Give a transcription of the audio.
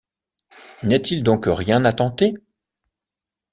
N’y a-t-il donc rien à tenter?